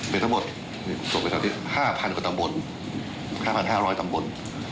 เป็นทั้งหมด๕๕๐๐ตำบล